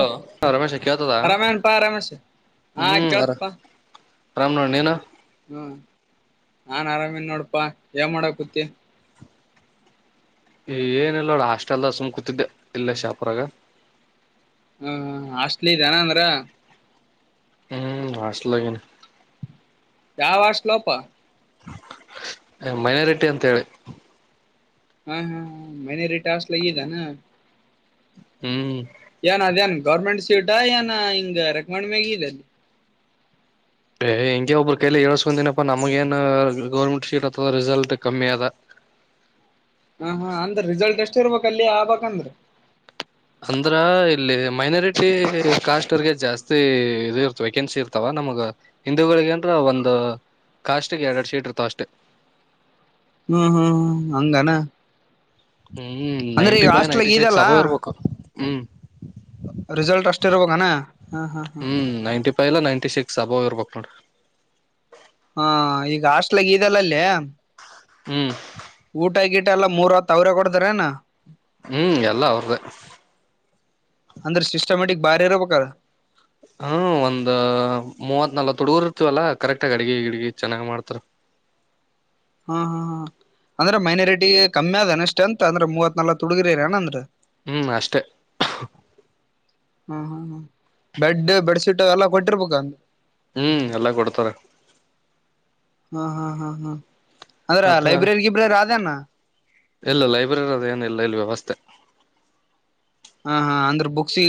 Hello Ramesh ಕೆಳತದ ಆರಾಮೇನಪಾ ರಮೇಶ್ ಹಾ ಕೇಳತ್ಪಾ ಆರಾಮ ನೋಡ ನೀನು ಹ್ಮ್ ನಾನ್ ಆರಾಮನ್ ನೋಡಪಾ ಏನ್ ಮಾಡಕೂತಿ ಏನಿಲ್ಲ ನೋಡ ಹಾಸ್ಟೆಲ್ದಾಗ ಸುಮ್ ಕೂತಿದ್ದೆ ಇಲ್ಲ ಶಾಪುರಾಗ ಹ್ಮಹು ಹಾಸ್ಟೆಲ್ ಇದ ಏನ ಅಂದ್ರ ಹ್ಮ್ ಹಾಸ್ಲಗನ ಯಾವ ಹಾಸ್ಟೆಲ್ ಲೋಪ ಮೈನಾರಿಟಿ ಅಂತ ಹೇಳಿ ಹಾ ಹಾ ಹಾ ಮೈನರಿಟಿ ಹಾಸ್ಟೆಲ್ ಅಗೆದೆನ್ ಹ್ಮ್ ಏನ್ ಅದೇ ಏನ್ ಗೌರ್ಮೆಂಟ್ ಸೀಟಾ ಏನ ಹಿಂಗ ರೆಕಮೆಂಡ್ ಮ್ಯಗ ಇದ ಎ ಹಿಂಗ ಒಬ್ಬ್ರ ಕೈಯಲಿ ಹೇಳ್ಸ್ಕೊಂದಿನಪ್ಪಾ ನಮಗ ಏನ್ ಗೌರ್ಮೆಂಟ್ ಶೀಟ್ ಅತದ ರಿಸಲ್ಟ್ ಕಮ್ಮಿ ಅದ ಹ ಹಾ ಅಂದ್ರ ರಿಸಲ್ಟ್ ಎಷ್ಟ ಇರ್ಬೇಕ್ ಅಲ್ಲಿ ಆಗ್ಬೇಕ್ಂದ್ರ ಅಂದ್ರ ಇಲ್ಲಿ ಮೈನಾರಿಟಿ ಕಾಸ್ಟ್ ಅವರ್ಗೆ ಜಾಸ್ತಿ ಇದ ಇರ್ತ ವೆೇಕೆನ್ಸಿ ಇರ್ತಾವ ನಮಗ ಹಿಂದೂಗಳಿಗೆ ಅಂದ್ರ ಒಂದು ಕಾಸ್ಟ್ಗೆ ಎರಡ್ ಎರಡ್ ಸೀಟ್ ಇರ್ತಾವ ಅಷ್ಟೇ. ಹ್ಮ್ ಹ್ಮ್ ಹ್ಮ್ ಹಂಗನ ಹ್ಮ್ ಅಂದ್ರೆ ನೈಂಟಿ ಈಗ ಬೈ ಹಾಸ್ಟ್ಲಾಗ ನೈಂಟಿ ಸಿಕ್ಸ್ ಇದೆಲ್ಲಾ ಅಬೋವ್ ಇರ್ಬೇಕು ಹ್ಮ್ ರಿಸಲ್ಟ್ ಅಷ್ಟಿರಬಕನ ಹ್ಮ್ ninety five ninety six above ಇರ್ಬೇಕ್ ನೋಡ ರೀ ಹಾ ಈಗ ಹಾಸ್ಟ್ಲಗ ಇದದೆಲ್ಲಲ್ಲಿೇ ಹ್ಮ್ ಊಟ ಗಿಟ ಎಲ್ಲ ಮೂರ್ ಹೊತ್ತ ಅವ್ರ ಕೊಡ್ತಾರನಾ ಹ್ಮ್ ಎಲ್ಲ ಅವ್ರ್ದ ಅಂದ್ರೆ ಸಿಸ್ಟಮ್ಯಾಟಿಕ್ ಬಾರಿ ಇರಬೇಕ. ಹ್ಮ ಒಂದ್ ಮೂವತ್ ನಲ್ ತುಡುಗರ್ ಇರ್ತವಲ್ಲಾ ಕರೆಕ್ಟ್ಗಿ ಅಡಗ ಗಿಡ್ಗ ಚೆನ್ನಾಗ್ ಮಾಡ್ತರು ಹಾ ಹಾ ಹಾ ಅಂದ್ರೆ ಮೈನಾರಿಟಿಗೆ ಕಮ್ಮಿ ಅದನ್ ಅಷ್ಟೇ ಅಂತ ಅಂದ್ರೆ ಮೂವತ್ ನಲ್ಕ ತುಗರಿರಏನ ಅಂದ್ರ ಹ್ಮ್ ಅಷ್ಟೇ ಹ್ಮ ಹ್ಮ್ ಹ್ಮ ಬೆಡ್ ಬೆಡ್ಶೀಟ್ ಎಲ್ಲ ಕೊಟ್ಟಿರ್ಬೇಕ ಅಂದ ಹ್ಮ್ ಎಲ್ಲ ಕೊಡ್ತಾರ ಹ್ಮ್ ಹಾ್ ಹ್ಮ್ ಹ್ಮ್ ಅದ್ರ ಮತ್ತ ಲೈಬ್ರರಿಗ ಬ್ರ ಅಣ ಇಲ್ಲ ಲೈರರಿ ಅದ ಏನ ಇಲ್ಲ ಇಲ್ಲಿ ವ್ಯವಸ್ಥೆ ಹಾ ಹಾ ಅಂದ್ರೆ ಬುಕ್ ಸಿ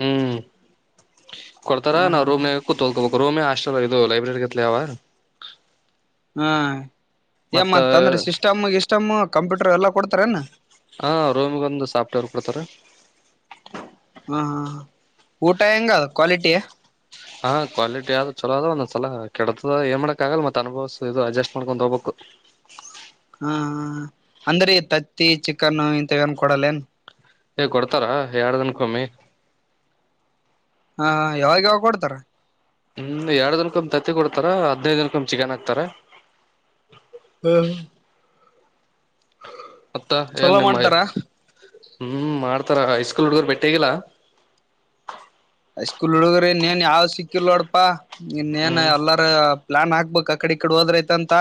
ಹ್ಮ್ ಕೊಡ್ತಾರ ಹಾ ನಾವ ರೂಮ್ ಹಲ್ ರೋಮ ಹಸ್ಟಲ್ದು ಲೈಬ್ರರಿಗೆಲ ಯ ಅವ ಹಾಂ ಏ ಮತ್ತ ಮತ್ತುಂದರೆ ಸಿಸ್ಟಮ್ಗೆ ಇಷ್ಟಮು ಕಂಪ್ಯೂಟರು ಎಲ್ಲ ಕೊಡ್ತಾರೆನು ಹಾಂ ರೋಮ್ಗೊಂದು ಸಾಫ್ಟವೆರ್ ಕೊಡ್ತಾರೆ ಹಾ ಹಾ ಊಟ ಹೆಂಗ ಕ್ವಾಲಿಟಿ ಹಾ ಕ್ವಾಲಿಟಿ ಆದ್ ಚಲೋ ಅದ ಒಂದ್ ಸಲ ಕೆಡತದ ಏನ್ ಮಾಡಕ್ ಆಗಲ್ಲ ಮತ್ತ ಅನುಭವ್ಸ ಇದು ಅಡ್ಜಸ್ಟ್ ಮಾಡ್ಕೊಂಡ್ ಹೋಗ್ಬೇಕು ಹಾ ಅಂದ್ರಿ ತತ್ತಿ ಚಿಕನ್ ಇಂತ ಏನ್ ಕೊಡಲ್ಲ ಏನ್ ಏ ಕೊಡ್ತಾರಾ ಎರ ದನ್ ಕಮ್ಮಿ ಹಾ ಯಾವಾಗ ಯಾವಾಗ ಕೊಡ್ತಾರಾ ಹ್ಮ್ ಎರಡು ದಿನಕೊಂದ್ ತತ್ತಿ ಕೊಡ್ತಾರ ಹದನೈದ್ ದಿನಕೊಂದ್ ಚಿಕನ್ ಹಾಕ್ತಾರ ಹ್ಮ್ ಹ್ಮ್ ಮತ್ತ ಏನ್ ಚೊಲೋ ನಿಮ್ಮ ಮಾಡ್ತಾರ ಹ್ಮ್ ಮಾಡ್ತಾರ ಹೈಸ್ಕೂಲ್ ಹುಡ್ಗರು ಬೆಟ್ಟಿಗಿಲ್ಲಾ ಐ ಸ್ಕೂಲ್ ಹುಡುಗ್ರು ಇನ್ನೇನ್ ಯಾವ ಸಿಕ್ಕಿಲ್ ನೋಡಪಾ ನೇನ್ ಹ್ಮ್ ಎಲ್ಲಾರು ಲಾನ್ ಹಾಕ್ಬೇಕಕ್ ಕಡೆ ಈ ಕಡೆ ಹೋದ್ರೈಐತ ಅಂತ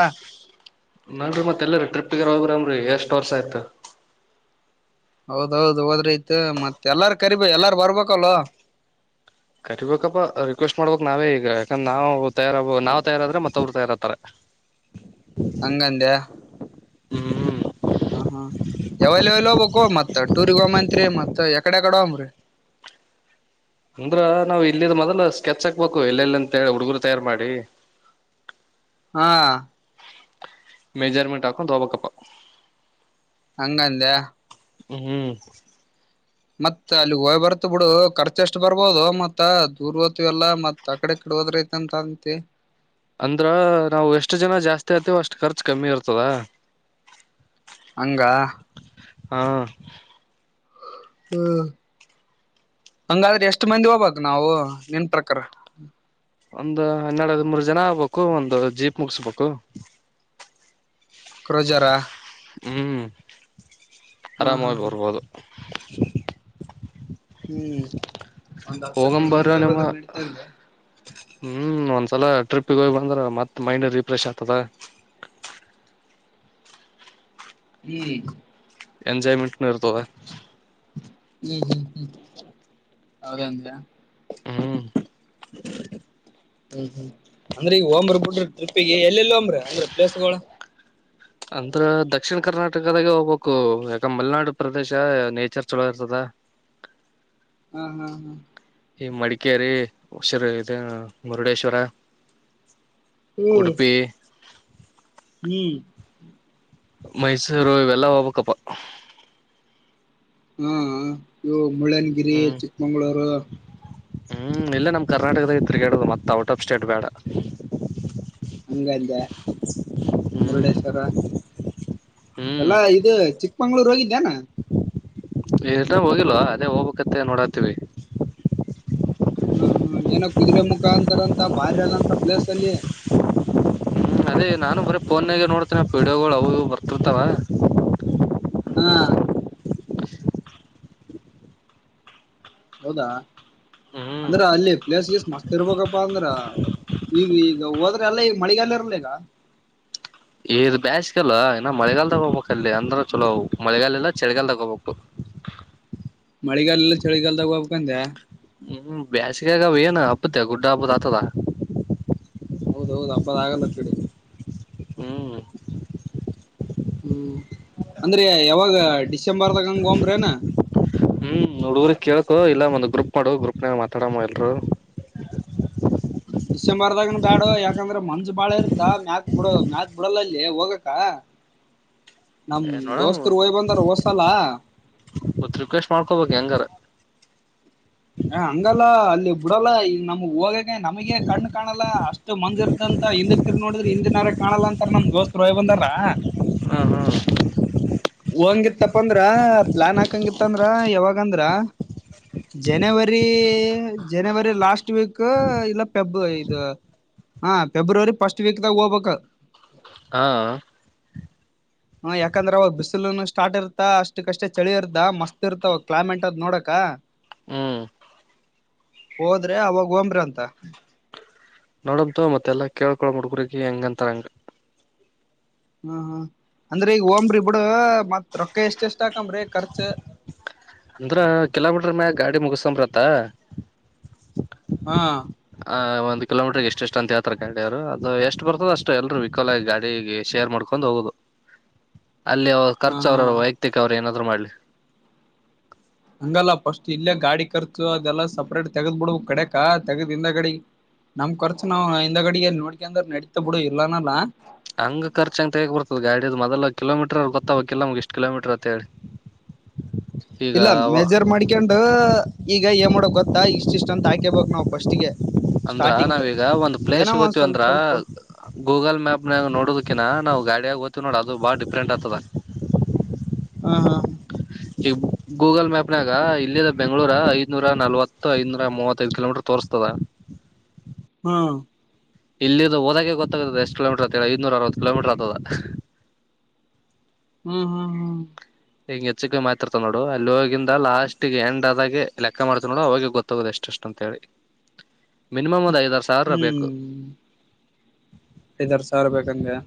ನಡಿರಿ ಮತ್ತೆಲ್ಲ ಟ್ರಿಪ್ಗೆರ ಹೋಗ್ರ ಅನ್ರಿ ಎಷ್ಟ ವರ್ಷ ಆಯತು ಹೌದೌದು ಹೋದ್ರಿತ ಮತ್ ಎಲ್ಲಾರ ಕರಿ ಎಲ್ಲಾರು ಬರ್ಬೇಕಲ್ವಾ ಕರಿಬೇಕಪ್ಪಾ ರಿಕ್ವೆಸ್ಟ್ ಮಾಡ್ಬೇಕಕ್ ನಾವೇ ಈಗ ಯಾಕಂದ್ರ ನಾವು ತಯಾರಾಗ್ ತಯಾರಾದ್ರೆ ಮತ್ತ ಅವ್ರು ತಯಾರಾಗ್ತಾರೆ ಹಂಗಂದ ಹ್ಮ್ ಹ ಹಾ ಎ ಅವೈಲಬಲ್ಬಬೇಕೋ ಮತ್ತ ಟೂರಿಗ್ ಹೋಗಮ್ ಅಂತ್ರಿ ಮತ್ತ ಎಕಡೆ ಏಕಡೆ ಹೋಗಮ್ರಿ ಅಂದ್ರ ನಾವ್ ಇಲ್ಲಿಂದ ಮೊದಲು ಸ್ಕೆಚ್ ಹಾಕ್ಬೇಕು ಎಲ್ಲೆಲ್ಲ ಅಂತ ಹೇಳಿ ಹುಡ್ಗರು ತಯಾರು ಮಾಡಿ ಹಾ ಮೆಜರ್ಮೆಂಟ್ ಆಕ ದೋಪಕಪ್ಪ ಹಂಗಂದ ಹ್ಮ್ ಮತ್ತತ್ ಅಲ್ಲಿ ಹೋಗಯ್ ಬರ್ತ್ ಬಿಡು ಖರ್ಚ ಎಷ್ಟು ಬರ್ಬೋದು ಮತ್ತ ದೂರ್ ಹೋಗ್ತೀವಿ ಎಲ್ಲ ಮತ್ ಕಡೆ ಕಡೆ ಹೋದ್ರಐ ಅಂತ ಅಂತೆ ಅಂದ್ರ ನಾವು ಎಷ್ಟು ಜನ ಜಾಸ್ತಿ ಆತೇವ ಅಷ್ಟು ಖರ್ಚು ಕಮ್ಮಿ ಇರ್ತದ ಹಂಗ ಹಾ ಹ್ಮ ಹಂಗಾದ್ರೆ ಎಷ್ಟ್ ಮಂದಿ ಹೋಗ್ಬಕ್ ನಾವು ನಿನ್ ಪ್ರಕಾರ ಒಂದು ಹನ್ನೆರಡು ಹದ ಮೂರು ಜನ ಆಗ್ಬೇಕು ಒಂದು ಜೀಪ್ ಮುಗಸ್ಬೇಕು ಕ್ರೊಜಾರ ಹ್ಮ್ ಹಾ ಹಾ ಆರಾಮಾಗಿ ಹಾ ಬರ್ಬೋದು ಹ್ಮ್ ಒಂದ್ ಹತ್ತ ಮಂದ ಹೋಗಂಬರ ಹೋಗ್ ನಿಮ್ಮ ಬಂದ್ರ ಬಿಡ್ತ ಅಂದೆ ಹ್ಮ್ ಒಂದ್ಸಲ ಟ್ರಿಪ್ಪಿಗೆ ಹೋಗಿ ಬಂದ್ರ ಮತ್ತತ್ ಮೈಂಡ್ ರಿಫ್ರೆಶ್ ಆಗ್ತದ ಹ್ಮ್ ಎಂಜಾಯ್ಮೆಂಟ್ ಇರ್ತ ಹ್ಮ್ ಹ್ಮ್ ಹ್ಮ್ ಹೌದಂದ ಹ್ಮ್ ಹ್ಮ್ ಹ್ಮ್ ಅಂದ್ರ ಈಗ ಹೋಂಬರ್ ಬಿಡ್ರಿ ಟ್ರಿಪಿಗೆಗ ಎಲ್ಲೆಲ್ಲ ಒಂಬ್ರಿ ಅಂದ್ರೆ ಪ್ಲೇಸ್ಗಳಳ ಹ ಅಂದ್ರ ದಕ್ಷಿಣ ಕರ್ನಾಟಕದಾಗೆ ಹೋಗ್ಬೇಕು ಯಾಕ ಮಲೆನಾಡು ಪ್ರದೇಶ ನೇಚರ್ ಚಲೋ ಇರ್ತದ ಹಾ ಹಾ ಹಾ ಈ ಮಡಿಕೇರಿ ಹುಷಿರ್ ಇ ಮುರುಡೇಶ್ವರ ಹ್ಮ್ ಉಡುಪಿ ಹ್ಮ್ ಮೈಸೂರು ಇವೆಲ್ಲಾ ಹೋಗ್ಬಬೇಕಪ್ಪ ಹಾ ಇವು ಮುಳ್ಳನಗಿರಿ ಹ್ಮ್ ಚಿಕ್ಮಂಗಗಳೂರು ಹ್ಮ್ ಇಲ್ಲೇ ನಮ್ ಕರ್ನಾಟಕದಾಗ ತಿರುಗಾಡುದು ಮತ್ತತ್ ಔಟ್ ಆಫ್ ಸ್ಟೇಟ್ ಬೇಡ ಹಂಗಂದೆ ಹ್ಮ್ ಮುರುಡೇಶ್ವರ ಎಲ್ಲಾ ಇದು ಚಿಕ್ಕಮಳೂರು ಹೋಗಿದ್ಯನಾ ಹೋಗಿಲ್ವ ಅದೇ ಹೋಗ್ಬೇಕತ್ತ ನೋಡತ್ತೀವಿ ಹ್ಮ ಹ್ಮ ಏನೋ ಕುದುರೆ ಮುಖ ಅಂತಾರಂತ ಬಾರಾದಂತ ಪ್ಲೇಸ್ ಅಲ್ಲಿ ಹ್ಮ್ ಅದೇ ನಾನು ಬರೀ ಫೋನ್ಾಗ ನೋಡ್ತೀನ ವೀಡಿಯೋಗಳು ಅ ಬರ್ತಿರ್ತಾವ ಹ್ಮ ಹೌದಾ ಹ್ಮ್ ಅಂದ್ರ ಅಲ್ಲಿ ಪ್ಲೇಸ್ ಗೀಸ್ ಮಸ್ತ್ ಇರ್ಬೇಕಪ್ಪಾ ಅಂದ್ರ ಈಗ ಈಗ ಹೋದ ಅಲ್ಲ ಈ ಮಳಿಗಾಲ ಇರಲಿಿಲ್ಲ ಈಗ ಇ್ ಬ್ಯಾಸ್ಗಲ್ಲ ಇಏ ಮಳೆಗಾಲಲ್ ತಗೋಬೇಕು ಅಲ್ಲಿ ಅಂದ್ರ ಚಲೋ ಮಳೆಗಾಲ ಎಲ್ಲ ಚಳಿಗಾಲ ತಗೋಬೇಕು [unintelligible] [inaudible] ಮಳೆಗಾಲ ಎಲ್ಲ ಚಳಿಗಾಲದಾಗ ಹೋಗ್ಬೇಕಂದ ಹ್ಮ್ ಬೇಾಸಿಗೆಗ ಏನ್ ಹಪ್ಪತ್ತೆ ಗುಡ್ಡ ಹಬ್ಬದ ಆಗ್ತದ ಹೌದ ಹೌದು ಹಬ್ಬದ ಆಗಲ್ಲ ಕಡೆ ಹ್ಮ್ ಹ್ಮ್ ಅಂದ್ರೆ ಯಾವಾಗ ಡಿಸೆಂಬರ್ದಾಗ ಹಂಗ ಹಂಬ್ರೇನಾ ಹ್ಮ್ ನೋಡ ಊ್ರ ಕೇಳಕು ಇಲ್ಲ ಒಂದ್ ಗ್ರೂಪ್ ಮಾಡು ಗ್ರೂಪ್ನಾಗ ಮಾತಾಡಮ್ಮ ಎಲ್ರು ಡಿಸೆಂಬರ್ದಾಗನ ಬ್ಯಾಡ ಯಾಕಂದ್ರ ಮಂಜ್ ಬಾಳ ಇರ್ತ ಮ್ಯತ್ ಬಿಡ ಮ್ಯಾತ್ ಬಿಡಲ್ಲಲ್ಲಿ ಹೋಗಕ್ಕ [unintelligible] [inaudible] ನಮ ಏ ನೋಡಮ್ ದೋಸ್ತರು ಹೋಯ್ ಬಂದಾರ ಹಓ್ಸಲ್ಲ ಗೊತ್ ರಿಕ್ವೆಸ್ಟ್ ಮಾಡ್ಕೋಬೇಕು ಹೆಂಗಾರ ಹ ಹಂಗಲ್ಲ ಅಲ್ಲಿ ಬಿಡಲ್ಲ ಈಗ ನಮ್ಗ್ ಹೋಗ ನಮಗೆ ಕಣು ಕಾಣಲ್ಲ ಅಷ್ಟು ಮಂಜ ಇರ್ದಂತ ಹಿಂದ ತಿರ್ ನೋಡಿದ್ರೆ ಹಿಂದಿನಾರ ಕಾಣಲ್ಲ ಅಂತ ನಮ್ ದೋಸ್ತ್ ೋಯಿ ಬಂದಾರಾ [unintelligible] ಹಾ ಹಾ [unintelligible] ಇತ್ತಪ್ಪ ಅಂದ್ರ ಪ್ಲಾನ್ ಹಾಕಂಗಿತ್ತ ಅಂದ್ರ ಯಾವಾಗ ಅಂದ್ರ ಜನವರಿ ಜನವರಿ ಲಾಸ್ಟ್ ವೀಕ್ ಇಲ್ಲ ಪೆಬ್ ಇದು ಹಾ ಫೆಬ್ರವರಿ ಫಸ್ಟ್ ವೀಕ್ದಾಗ ಹೋಗ್ಬೇಕಕ್ ಹಾ ಹ ಯಾಕಂದ್ರ ಅವ ಬಿಸಿಲುನು ಸ್ಟಾರ್ ಇರ್ತಾ ಅಷ್ಟಕ್ ಕಷ್ಟೇ ಚಳಿ ಇರ್ತ ಮಸ್ತ್ ಇರ್ತಾವ ಅವ ಕ್ಲೈಮೇಟ್ ಅದ್ ನೋಡಕ ಹ್ಮ್ ಹೋದ್ರೆ ಆ ಅವಾಗ ಒಂಬ್ರಿ ಅಂತ ನೋಡಂತ ಮತ್ತೆಲ್ಲ ಕೇಳ್ಕೊಳ ಹುಡ್ಗ್ರರಿಗೆ ಹೆಂಗ ಅಂತರಂಗ ಹ್ಮ್ ಹ ಅಂದ್ರೆ ಈಗ ಹಓಂಬ್ರಿ ಬಿಡ ಮತ್ ರೊಕ್ಕ ಎಷ್ಟ ಎಷ್ಟ ಹಾಕಂಬ್ರಿ ಖರ್ಚ ಅಂದ್ರ ಕಿಲೋಮೀಟರ್ ಮ್ಯಾಗ ಗಾಡಿ ಮುಗಸ್ಸಂಬ್ರತ್ತ ಹಾ ಆ್ ಒಂದು ಕಿಲೋಮೀಟರ್ಗೆ ಎಷ್ಟ ಎಷ್ಟ ಅಂತ ಹತ್ರ ಕಡವರು ಅದು ಎಷ್ಟ ಬರ್ತದ ಅಷ್ಟು ಎಲ್ರುೂ ವಿಕೋಲ ಆಗ ಗಾಡಿಗೆ ಶೇರ್ ಮಾಡ್ಕೊಂಡ್ ಹೋಗೋುದು ಅಲ್ಲಿ ಅವ ಹಾ ಖರ್ಚು ಹಾ ಅವ್ರರು ವೈಯಕ್ತಿಕ ಅವ್ರ ಏನಾದ್ರು ಮಾಡ್ಲಿ ಹಂಗಲ್ಲ ಫಸ್ಟ್ ಇಲ್ಲೇ ಗಾಡಿ ಖರ್ಚು ಅದೆಲ್ಲ ಸಪ್ರೇಟ್ ತೆಗದ್ ಬಿಡ್ಬ ಕಡೆಕ್ಕಾ ತೆಗದ್ದಿಂದ ಗಡೆ ನಮ್ ಖರ್ಚು ನಾವವು ಹಿಂದಾಗಡಿಯ ನೋಡ್ಕಂದ್ರ ನಡತ ಬಿಡು ಇಲ್ಲನಲ್ಲಾ ಹಂಗ ಖುರ್ ಅಂಗ ತೇಗ್ ಬರ್ತದ ಗಾಡದ ಮದಲ ಕಿಮೀಟರ್ ಗೊತ್ತ ಇಲ್ಲಮಗೆಷ್ಟ ಕಿಲೋಮೀಟರ್ ಅಂತ ಹೇಳಿ [inaudible] ಇಲ್ಲ ಮೇಜರ್ ಮಾಡಿ ಹಾಕಂಡ್ ಈಗ ಏನ್ ಮಾಡೋಕ್ ಗೊತ್ತಾ ಇಷ್ಟ ಇಷ್ಟ ಅಂತ ಹಾಕೇಬಕ್ ನಾವು ಫಸ್ಟ್ ಗೆ ಅಂದ್ರ ನಾವೀಗ ಒಂದ್ ಪ್ಲೇಸ್ ಸಿಗೋತಿವಿ ಸ್ವಲ್ಪ ಅಂದ್ರ ಸ್ವಲ್ಪ ಗೂಗಲ್ ಮ್ಯಾಪ್ ನೋಡದಕಿ ನಾ ಗಾಡಿಯಾಗ ಓ್ ವಿ ನೋಡ ಅದು ಬಾಳ ಡಿಫ್ರೆಂಟ್ ಆತದ ಹಾ ಹಾ ಹಾ ಈಗ ಗೂಗಲ್ ಮ್ಯಾಪ್ನಾಗ ಇಲ್ಲದ ಬೆಂಗಳೂರ ಐ್ನೂರ ನಲ್ವ ಐದನೂರ ಮೂವತ್ತೈಐದು ಕಿಲೋಮೀಟರ್ ತೋರಿಸ್ತದ ಹ್ಮ ಇಲ್ಲಿ ಹೋದಾಗೆ ಗೊತ್ತದ ಎಷ್ಟ ಕಿಲಮೀಟರ್ತದೆ ಐನೂರ ಅವ ಕಿಲೋಮಟರ್ಗ್ತದ ಹ್ಮ ಹಾ ಹ್ಮ ಹಿಂಗ ಹೆಚ್ಚಕ ಮಾತತಿರ್ತ ನೋಡು ಅಲ್ಲಿ ಹೋಗಿಂದ ಲಾಸ್ಟ್ ಗೆ ಎಂಡ್ ಆದಾಗೆ ಲೆಕ್ಕ ಮಾಡ್ತವ ನೋಡು ಅವಾಗೆ ಗೊತ್ತಾಗೋುದು ಎಷ್ಟ ಎಷ್ಟು ಅಂತ ಹೇಳಿ ಮಿನಿಮಮ್ ಒಂದು ಐದಾರು ಸಾವಿರ ಬೇಕು ಇದರ್ ಸರ್ ಬೇಕಂಗಗೆ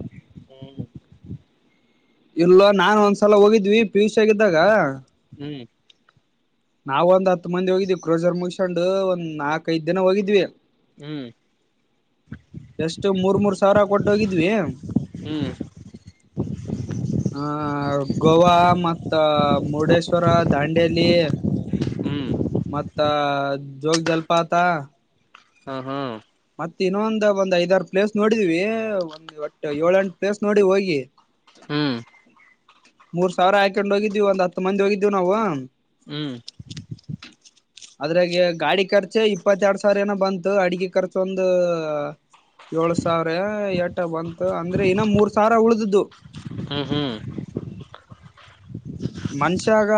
ಇಲ್ಲ ನಾನ್ ಒಂದ್ಸಲ ಹೋಗಿದ್ವಿ ಪಿಯುಷ್ ಆಗಿದ್ದಾಗ ಹ್ಮ್ ನಾವವು ಒಂದ್ ಹತ್ ಮಂದಿ ಹೋಗಿದ್ವಿ ಕ್ರೋಜರ್ ಮುಗಸಕೊಂಡು ಒಂದ್ ನಾಲ್ಕ ಐ ದಿನ ಹೋಗಿದ್ವಿ ಹ್ಮ್ ಎಷ್ಟು ಮೂರ್ ಮೂರ್ ಸಾವಿರ ಕೊಟ್ಟೋಗಿದ್ವಿ ಹ್ಮ್ [inaudible] ಆಹ ಗೋವಾ ಮತ್ತ ಮುರುಡೇಶ್ವರ ದಾಂಡೇಲಿ ಹ್ಮ್ ಮತ್ತ ಜೋಗ ಜಲಪಾತ ಹಾ ಹಾ ಮತ್ತ ಇನ್ನೊಂದ ಒಂದ್ ಐದಾರು ಪ್ಲೇಸ್ ನೋಡಿದೀವಿ ಒಂದ್ ಒಟ್ಟ ಏಳ ಎಂಟು ಪ್ಲೇಸ್ ನೋಡಿ ಹೋಗಿ ಹ್ಮ್ ಮೂರ್ ಸಾವಿರ ಹಾಕೊಂಡ್ ಹೋಗಿದೀವಿ ಒಂದ್ ಹತ್ತು ಮಂದಿ ಹೋಗಿದೀವಿ ನಾವು ಹ್ಮ್ ಅದ್ರಾಗ ಗಾಡಿ ಖರ್ಚೆ ಇಪ್ಪತ್ತೆರಡು ಸಾವಿರ ಏನೋ ಬಂತು ಅಡಗೆ ಖರ್ಚು ಒಂದು [inaudible] ಏಳ್ ಸಾವಿರ ಏಟ ಬಂತು ಅಂದ್ರೆ ಇನ್ನ ಮೂರ್ ಸಾವಿರ ಉಳ್ದ್ದು ಹ್ಮ ಹ್ಮ್ ಮನುಷಾಗ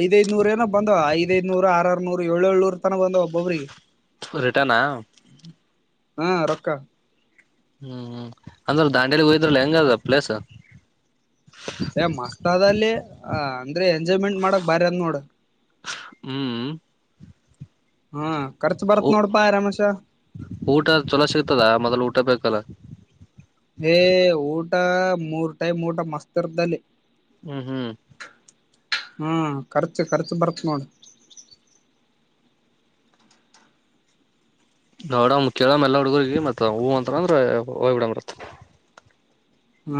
ಐದೈಐದನೂರ ಏನ ಬಂದ್ ಐದ ಐದನೂರು ಆರುನೂರು ಏಳ್ ಏಳ್ನೂರ್ ತನ ಬಂದ್ ಒಬ್ರಿಗೆ ರಿಟನಾ ಹಾ ರಕ್ಕಾ ಹ್ಮ್ ಅಂದ್ರೆ ದಾಂಡಿಯಲಿ ಹೋಯ್ದ್ರಲ್ಲ ಹೆಂಗ ಅದ ಪ್ಲೇಸ್ ಏ ಮಸ್ತ್ ಅದ ಅಲ್ಲಿ ಅಂದ್ರೆ ಎಂಜಾಯ್ಮೆಂಟ್ ಮಾಡಕ್ ಬಾರಿ ಅದ್ ನೋಡು ಹ್ಮ್ ಹಾ ಖರ್ಚು ಬರತ್ ನೋಡಪಾ ಆ ರಮೇಶ ಊಟ ಅದ ಛಲೋ ಸಿಗ್ತದ ಮೊದ್ಲು ಊಟ ಬೇಕಲ್ಲ. ಏ ಊಟ ಮೂರ್ ಟೈಮ್ ಊಟ ಮಸ್ತರ್ದಲ್ಲಿ ಹ್ಮ್ ಹ್ಮ್ ಹ್ಮ ಖರ್ಚ ಖರ್ಚ ಬರ್ತ್ ನೋಡ ನೋಡಮ ಕೇಳ ಎಲ್ಲ ಹುಡುಗರ್ರಿಗೆ ಮತ್ತ ಹೂ ಅಂತ ಅಂದ್ರೆ ಹೋಗ್ ಬಿಡಾಕ್ ಬರತ್ತ ಹ್ಮ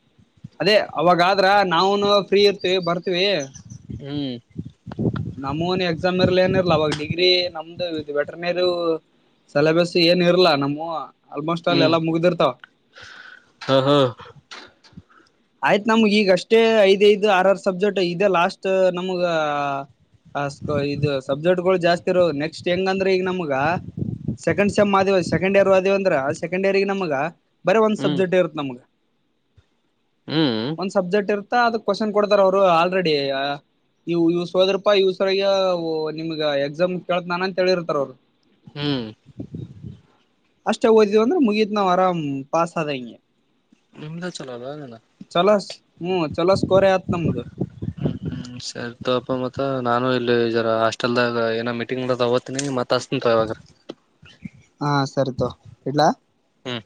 [inaudible] ಅದೇ ಅವಾಗಾದ್ರ ನಾವುನು ಫ್ರೀ ಇರ್ತವಿ ಬರ್ತೀವಿ. ಹ್ಮ್ ನಮ್ಮವನು ಎಕ್ಸಾಮ್ ಇರ್ಲ ಏನ ಇರ್ಲ ಅವಾಗ ಡಿಗ್ರಿ ನಮ್ದು ವೆಟರ್ನರಿವ ಸೆಲೆಬಸ್ ಏನ್ ಇರ್ಲಾ ನಮ್ಮವ ಆಲ್ಮೋಸ್ಟ್ ಅಲ್ಲ ಎಲ್ಲಾ ಮುಗ್ದಿರ್ತಾವ. ಹಲೋ ಆಯ್ತ್ ನಮ್ಗ್ ಈಗ ಅಷ್ಟೇ ಐದ್ ಐದು ಆರ ಆರ್ ಸಬ್ಜೆಕ್ಟ್ ಇದೆ ಲಾಸ್ಟ್ ನಮಗ. ಅಸ್ಕೊ ಇದು ಸಬ್ಜೆಕ್ಟ್ ಗಳು ಜಾಸ್ತಿ ಇರೋದು ನೆಕ್ಸ್ಟ್ ಹೆಂಗಂದ್ರೆ ಈಗ ನಮ್ಗ ಸೆಕಂಡ್ಸ ಸೇಮ್ ಆದಿವ ಸೆಕೆಂಡ್ ಇಯರ್ ಆದೇ ಅಂದ್ರೆ ಸೆಕಂಡ್ ಇಯರ್ ನಮ್ಗ್ ಬರೀ ಒಂದ ಹ್ಮ್ ಸಬ್ಜೆಕ್ಟ್ ಇರುತ್ತ ನಮಗ ಹ್ಮ್ ಒಂದ್ ಸಬ್ಜೆಕ್ಟ್ ಇರ್ತಾ ಅದಕ್ ಕ್ವಶನ್ ಕೊಡ್ತಾರ ಅವ್ರು ಆಲ್ರೆಡಿ ಇವು ಇವ್ ಸೋದರಪ್ಪಾ ಇವ್ ಸರಯ ನಿಮ್ಗ ಎಕ್ಸಾಮ್ ಕೇಳತ್ ನಾನ ಅಂತ ಹೇಳಿರ್ತಾರ ಅವರು ಹ್ಮ್ ಅಷ್ಟೇ ಓದಿದವಿ ಅಂದ್ರೆ ಮುಗೀತ್ ನಾವ ಆರಾಮ್ ಪಾಸ್ ಆದ ಹಂಗೆ ನಿಮ್ದ ಚಲೋಲ್ಲ ಚಲಸ್ ಹ್ಮ್ ಚಲೋಸ್ ಕೋರೆ ಆಯತ್ ನಮ್ಮದು [unintelligible] ಹ್ಮ ಸರಿತವಪ್ಪ ಮತ್ತ ನಾನು ಇಲ್ಲಿ ಹಾಸ್ಟೆಲ್ದಾಗ ಏನೋ ಮೀಟಿಂಗ್ ಮಾಡತಿನಿ ತಗೋತೀನಿ ಮತ್ತ ಹತ್ತೀನಿ ತಗೋ ಇವಾಗ ಹ ಸರಿ ತೋಗ ಇಟ್ಲ. ಹ್ಮ್